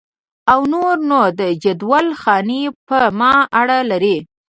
او نور نو د جندول خاني په ما اړه لري.